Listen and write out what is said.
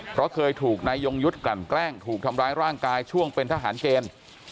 เพราะเคยถูกนายยงยุทธ์กลั่นแกล้งถูกทำร้ายร่างกายช่วงเป็นทหารเกณฑ์